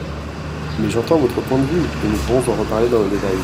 Mais j’entends votre point de vue et nous pourrons en reparler dans le détail.